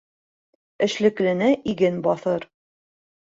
Эшлеклене иген баҫыр